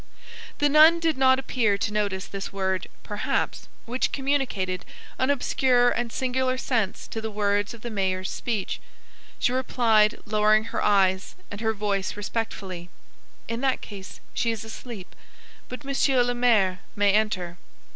The nun did not appear to notice this word "perhaps," which communicated an obscure and singular sense to the words of the mayor's speech. She replied, lowering her eyes and her voice respectfully:— "In that case, she is asleep; but Monsieur le Maire may enter."